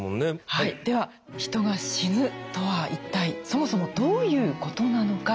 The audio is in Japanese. はいでは人が死ぬとは一体そもそもどういうことなのか？